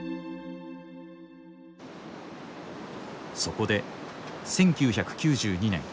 そこで１９９２年